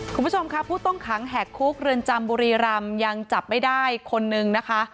คุณผู้ชมค่ะผู้ต้องขังแหกคุกเรือนจำบุรีรำยังจับไม่ได้คนนึงนะคะ